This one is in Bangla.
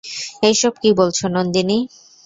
এইসব কি বলছো, নন্দিনী?